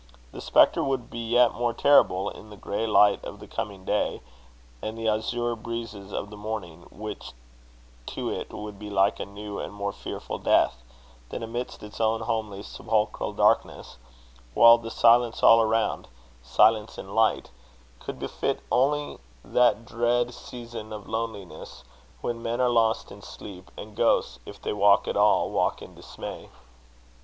The spectre would be yet more terrible in the grey light of the coming day, and the azure breezes of the morning, which to it would be like a new and more fearful death, than amidst its own homely sepulchral darkness; while the silence all around silence in light could befit only that dread season of loneliness when men are lost in sleep, and ghosts, if they walk at all, walk in dismay.